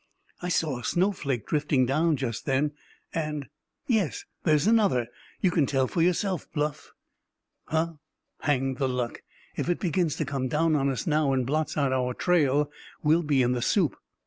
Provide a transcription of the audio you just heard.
"I saw a snowflake drifting down just then; and—yes, there's another; you can tell for yourself, Bluff!" "Huh! Hang the luck, if it begins to come down on us now and blots out our trail, we'll be in the soup!"